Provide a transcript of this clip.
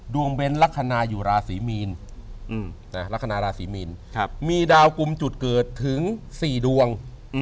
เบ้นลักษณะอยู่ราศีมีนลักษณะราศีมีนมีดาวกลุ่มจุดเกิดถึง๔ดวง